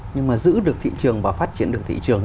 nhưng mà giữ được thị trường và phát triển được thị trường